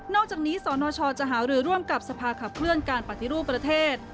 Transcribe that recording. อกจากนี้สนชจะหารือร่วมกับสภาขับเคลื่อนการปฏิรูปประเทศ